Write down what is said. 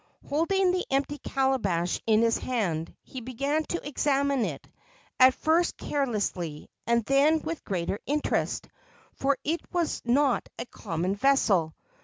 Holding the empty calabash in his hand, he began to examine it, at first carelessly, and then with greater interest, for it was not a common vessel.